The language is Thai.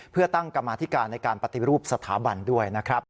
เพื่อตั้งกรรมาธิการในการปฏิรูปสถาบันด้วยนะครับ